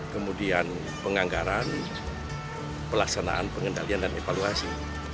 kemudian penganggaran pelaksanaan pengendalian dan evaluasi